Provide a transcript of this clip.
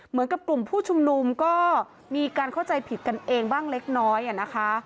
เหมือนกับกลุ่มผู้ชุมนุมก็มีการเข้าใจผิดกันเองบ้างเล็กน้อยนะคะ